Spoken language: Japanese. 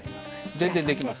全然できます。